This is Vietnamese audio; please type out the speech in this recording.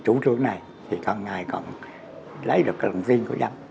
chủ trưởng này thì con ngài còn lấy được cái lòng riêng của dân